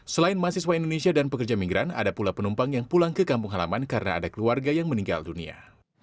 selain mahasiswa indonesia dan pekerja migran ada pula penumpang yang pulang ke kampung halaman karena ada keluarga yang meninggal dunia